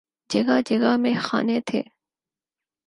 جگہ جگہ میخانے تھے۔